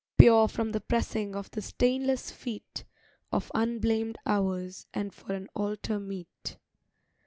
Pure from the pressing of the stainless feet Of unblamed Hours, and for an altar meet.